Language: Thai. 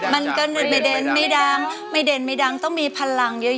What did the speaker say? มันก็ไม่เด่นไม่ดังไม่เด่นไม่ดังต้องมีพลังเยอะ